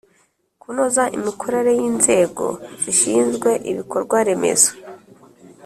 Kunoza imikorere y’ inzego zishinzwe ibikorwaremezo